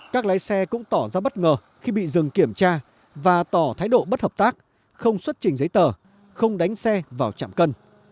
các lái xe cũng tỏ ra bất ngờ khi bị dừng kiểm tra và tỏ thái độ bất hợp tác không xuất trình giấy tờ không đánh xe vào trạm cân